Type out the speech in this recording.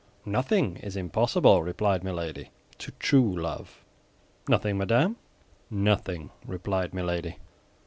"Nothing is impossible," replied Milady, "to true love." "Nothing, madame?" "Nothing," replied Milady.